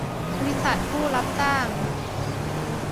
บริษัทผู้รับจ้าง